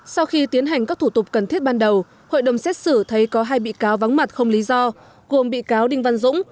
sau khi tiến hành các thủ tục cần thiết ban đầu hội đồng xét xử thấy có hai bị cáo vắng mặt không lý do gồm bị cáo đinh văn dũng